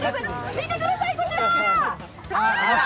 見てください、こちら！